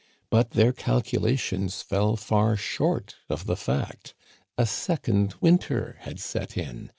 But their calculations fell far short of the fact. A sec ond winter had set in.